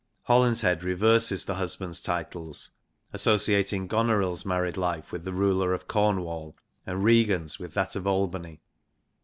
Holinshed reverses the husbands' titles, associating Goneril's married life with the ruler of Cornwall, and Regan's with that of Albany.